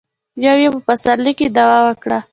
يو يې په پسرلي کې دعوه وکړه.